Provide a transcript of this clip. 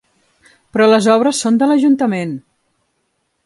Però les obres son de l'ajuntament!